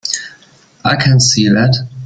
I can see that.